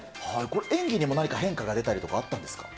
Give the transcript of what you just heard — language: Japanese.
これ、演技にも何か変化が出たりとかあったんですか。